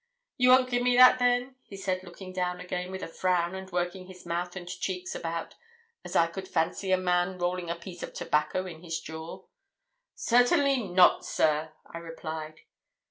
'You won't gi'e me that, then?' he said, looking down again, with a frown, and working his mouth and cheeks about as I could fancy a man rolling a piece of tobacco in his jaw. 'Certainly not, sir,' I replied.